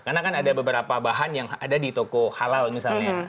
karena kan ada beberapa bahan yang ada di toko halal misalnya